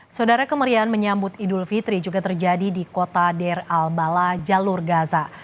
saudara kemerian menyambut idul fitri juga terjadi di kota dear al bala jalur gaza